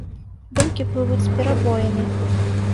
Думкі плывуць з перабоямі.